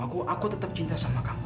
aku tetep cinta sama kamu